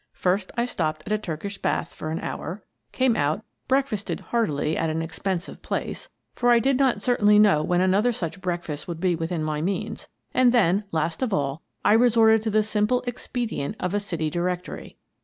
First I stopped at a Turkish bath for an hour, came out, breakfasted heartily at an expen sive place, — for I did not certainly know when another such breakfast would be within my means, — and then, last of all, I resorted to the simple expedient of a city directory.